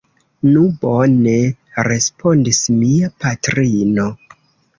Nu, bone, respondis mia patrino.